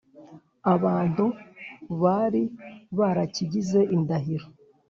Abantu bari barakigize indahiro